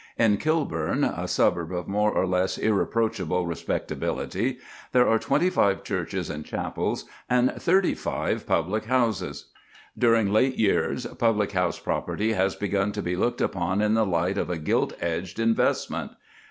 In Kilburn, a suburb of more or less irreproachable respectability, there are twenty five churches and chapels and thirty five public houses. During late years public house property has begun to be looked upon in the light of a gilt edged investment.